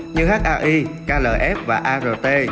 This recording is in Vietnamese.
như hai klf và art